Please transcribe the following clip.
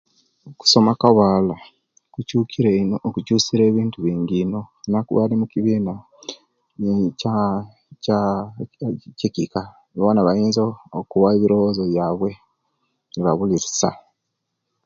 Okusoma kwa'bawala kukyukire ino kukyusirie ebintu bingi ino wankubade mubibina kya kya kyekika bona bayinza okuwa ebirobozo bwaiwe nebabulilisia